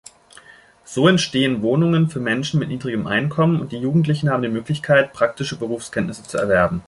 So entstehen Wohnungen für Menschen mit niedrigem Einkommen und die jugendlichen haben die Möglichkeit, praktische Berufskenntnisse zu erwerben.